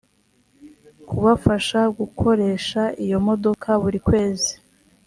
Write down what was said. kubafasha gukoresha iyo modoka buri kwezi